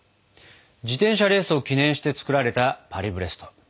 自転車レースを記念して作られたパリブレスト。